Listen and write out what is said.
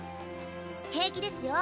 平気ですよ。